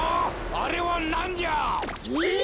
あれはなんじゃ！？